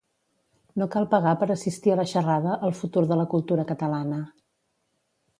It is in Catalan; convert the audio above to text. No cal pagar per assistir a la xerrada El futur de la cultura catalana.